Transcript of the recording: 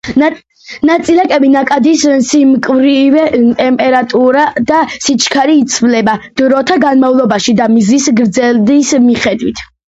ნაწილაკების ნაკადის სიმკვრივე, ტემპერატურა და სიჩქარე იცვლება დროთა განმავლობაში და მზის გრძედის მიხედვით.